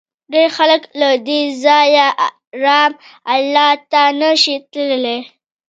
ډېر خلک له دې ځایه رام الله ته نه شي تللی.